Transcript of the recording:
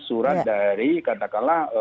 surat dari katakanlah